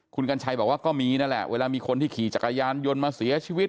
คุณกัญชัยบอกว่าก็มีนั่นแหละเวลามีคนที่ขี่จักรยานยนต์มาเสียชีวิต